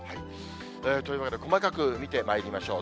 というわけで、細かく見てまいりましょう。